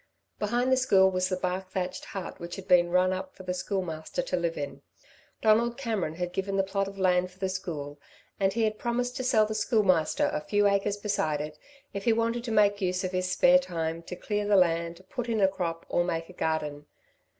Behind the school was the bark thatched hut which had been run up for the Schoolmaster to live in. Donald Cameron had given the plot of land for the school and he had promised to sell the Schoolmaster a few acres beside it, if he wanted to make use of his spare time to clear the land, put in a crop, or make a garden.